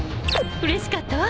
うれしかったわ。